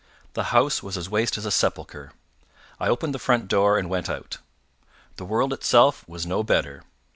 The house was as waste as a sepulchre. I opened the front door and went out. The world itself was no better.